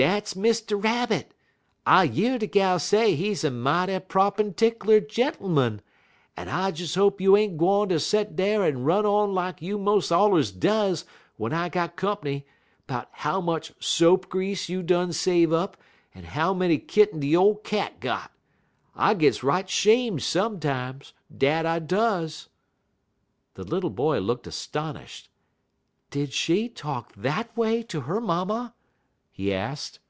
dat's Mr. Rabbit. I year de gals say he's a mighty prop en tickler gentermun, en I des hope you ain't gwine ter set dar en run on lak you mos' allers does w'en I got comp'ny 'bout how much soap grease you done save up en how many kitten de ole cat got. I gits right 'shame' sometimes, dat I does!'" The little boy looked astonished. "Did she talk that way to her mamma?" he asked.